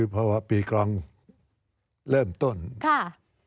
สวัสดีครับทุกคน